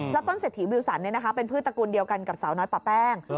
แล้วต้นเศรษฐีวิวสันเป็นพืชตระกูลเดียวกันกับสาวน้อยป่าแป้ง